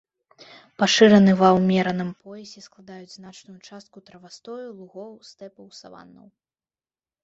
Пашыраны ва ўмераным поясе, складаюць значную частку травастою лугоў, стэпаў, саваннаў.